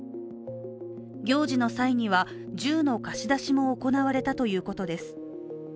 行事の際には、銃の貸し出しも行われたということです。